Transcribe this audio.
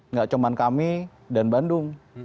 nggak cuma kami dan bandung